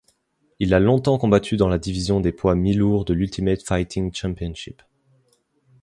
Il a longtemps combattu dans la division des poids mi-lourds de l'Ultimate Fighting Championship.